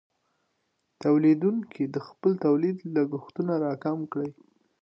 تولیدونکې د خپل تولید لګښتونه راکم کړي.